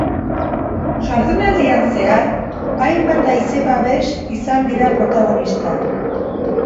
Jardunaldian zehar hainbat haize-babes izan dira protagonista.